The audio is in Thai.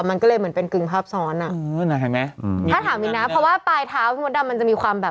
มันก็เลยเหมือนเป็นกึงภาพซ้อนอ่ะเออน่าเห็นไหมถ้าถามอีกนะ